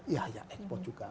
ya ya ekspor juga